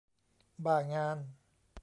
บ้างาน ?